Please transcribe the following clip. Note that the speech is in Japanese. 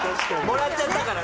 もらっちゃったから。